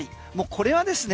これはねですね